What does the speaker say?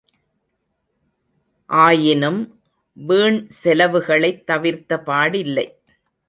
ஆயினும், வீண் செலவுகளைத் தவிர்த்த பாடில்லை.